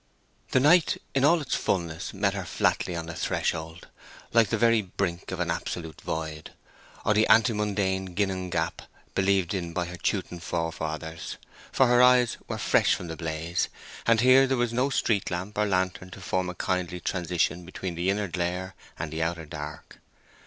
The night in all its fulness met her flatly on the threshold, like the very brink of an absolute void, or the antemundane Ginnung Gap believed in by her Teuton forefathers. For her eyes were fresh from the blaze, and here there was no street lamp or lantern to form a kindly transition between the inner glare and the outer dark.